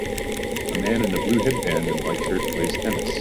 A man in a blue headband and white shirt plays tennis.